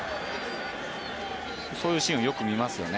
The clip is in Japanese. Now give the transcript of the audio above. そういうシーンをよく見ますね。